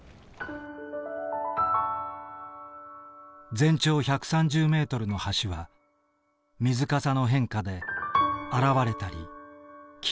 全長１３０ｍの橋は水かさの変化で現れたり消えたり。